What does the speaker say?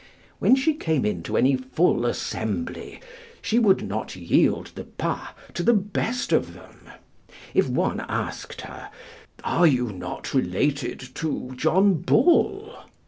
When she came in to any full assembly, she would not yield the pas to the best of them. If one asked her, "Are you not related to John Bull?"